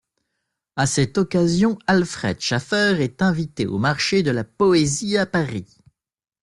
À cette occasion, Alfred Schaffer est invité au Marché de la Poésie à Paris.